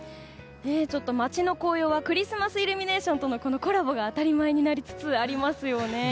街の紅葉はクリスマスイルミネーションとのコラボが当たり前になりつつありますよね。